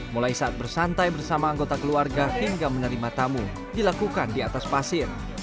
mulai saat bersantai bersama anggota keluarga hingga menerima tamu dilakukan di atas pasir